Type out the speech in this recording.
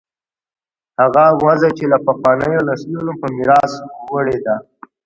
هغه وضع چې له پخوانیو نسلونو په میراث وړې ده.